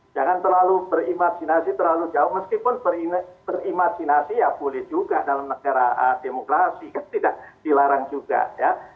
jangan terlalu berimajinasi terlalu jauh meskipun berimajinasi ya boleh juga dalam negara demokrasi kan tidak dilarang juga ya